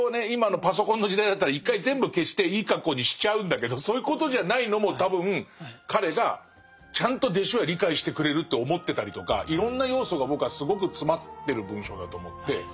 今のパソコンの時代だったら一回全部消していい格好にしちゃうんだけどそういうことじゃないのも多分彼がちゃんと弟子は理解してくれるって思ってたりとかいろんな要素が僕はすごく詰まってる文章だと思って。